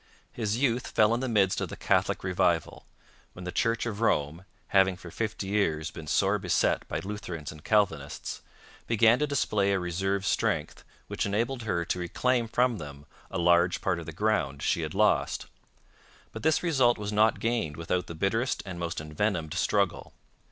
His youth fell in the midst of the Catholic Revival, when the Church of Rome, having for fifty years been sore beset by Lutherans and Calvinists, began to display a reserve strength which enabled her to reclaim from them a large part of the ground she had lost. But this result was not gained without the bitterest and most envenomed struggle.